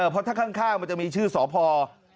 เพราะถ้าข้างมันจะมีชื่อสพ